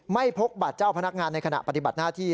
พกบัตรเจ้าพนักงานในขณะปฏิบัติหน้าที่